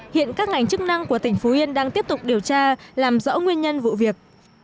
hiện các ngành chức năng của tỉnh phú yên đang tiếp tục điều tra làm rõ nguyên nhân vụ việc